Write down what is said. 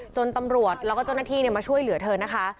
ตำรวจแล้วก็เจ้าหน้าที่มาช่วยเหลือเธอนะคะ